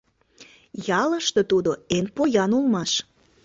Ялыште тудо эн поян улмаш.